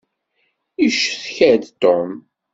Yecetka-d Tom.